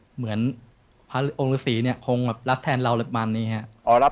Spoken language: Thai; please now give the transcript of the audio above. เหมือนพระองค์ฤษีคงรับแทนเราแบบนี้ครับ